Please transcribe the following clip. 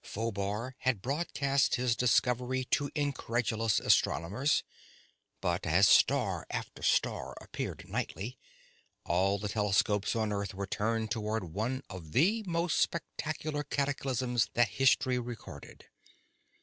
Phobar had broadcast his discovery to incredulous astronomers; but as star after star appeared nightly, all the telescopes on Earth were turned toward one of the most spectacular cataclysms that history recorded.